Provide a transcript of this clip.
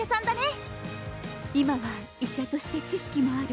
今は医者として知識もある。